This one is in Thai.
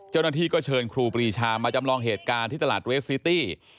เจ้าหน้าที่ก็เชิญครูปรีชามาจำลองเหตุการณ์ที่ตลาดเรสซิตี้